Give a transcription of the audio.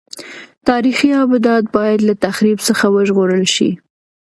تاریخي ابدات باید له تخریب څخه وژغورل شي.